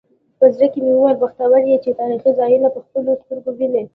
په زړه کې مې وویل بختور یې چې تاریخي ځایونه په خپلو سترګو وینې.